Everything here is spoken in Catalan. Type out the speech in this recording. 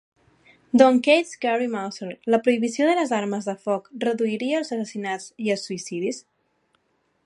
Don Kates, Gary Mauser, la prohibició de les armes de foc, reduiria els assassinats i els suïcidis?